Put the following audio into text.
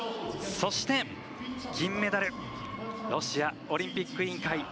そして、銀メダルロシアオリンピック委員会